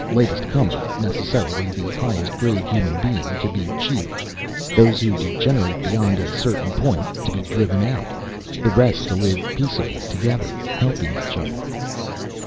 Latest comer, necessarily the highest grade human being, to be chief; those who degenerate beyond a certain point to be driven out; the rest to live peaceably together, helping each other."